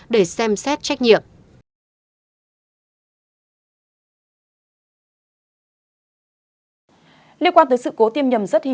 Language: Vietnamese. để xem xét trách nhiệm